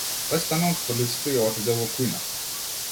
Тој стана од столицата и отиде во кујната.